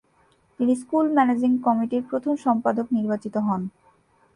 তিনি school managing কমিটির প্রথম সম্পাদক নির্বাচিত হন।